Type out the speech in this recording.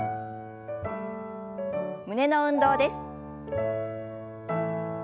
胸の運動です。